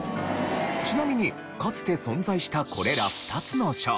ちなみにかつて存在したこれら２つの賞。